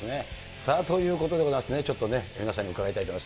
さあ、ということでございましてね、ちょっとね、皆さんに伺いたいと思います。